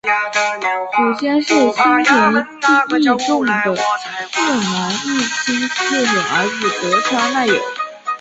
祖先是新田义重的四男义季和儿子得川赖有。